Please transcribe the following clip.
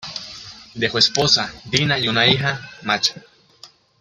Dejó esposa, Dina, y una hija, Masha.